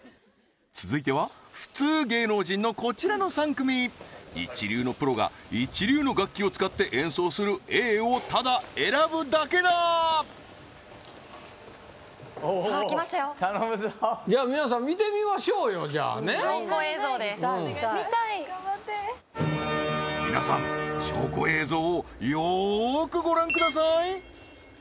続いては普通芸能人のこちらの３組一流のプロが一流の楽器を使って演奏するＡをただ選ぶだけだーさあ来ましたよ頼むぞでは皆さん見てみましょうよじゃあね見たい見たい見たい皆さん証拠映像をよーくご覧ください